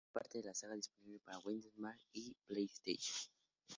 Es la segunda parte de la saga, disponible para Windows, Mac y PlayStation.